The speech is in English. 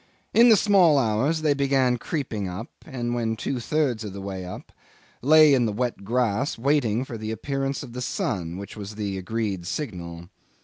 In the small hours they began creeping up, and when two thirds of the way up, lay in the wet grass waiting for the appearance of the sun, which was the agreed signal.